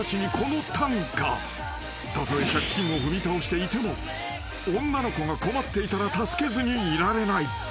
［たとえ借金を踏み倒していても女の子が困っていたら助けずにいられない］